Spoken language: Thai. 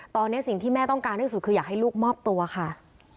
ตอนนี้สิ่งที่แม่ต้องการที่สุดคืออยากให้ลูกมอบตัวค่ะ